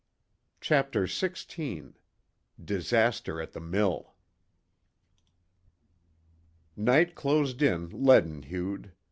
CHAPTER XVI DISASTER AT THE MILL Night closed in leaden hued.